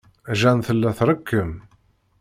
Jane tella trekkem.